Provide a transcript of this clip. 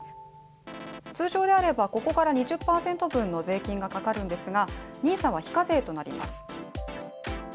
通常であればここから２０％分の税金がかかるんですがＮＩＳＡは非課税となります。